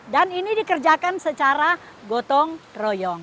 dan ini dikerjakan secara gotong royong